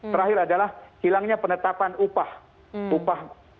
terakhir adalah hilangnya penetapan upah